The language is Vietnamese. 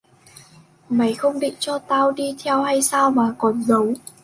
Mày không định cho tao đi theo hay sao mà còn giấu